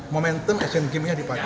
momentum asian games nya dipakai